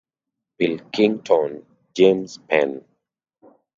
Pilkington, James Penn.